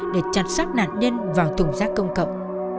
để chặt sát nạn nhân vào thủng giác công cộng